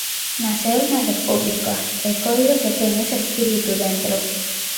Naceu na república e coido que ten ese espírito dentro.